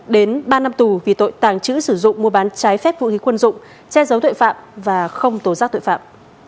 đến ba năm tù vì tội tàng trữ sử dụng mua bán trái phép vũ khí quân dụng che giấu tội phạm và không tố giác tội phạm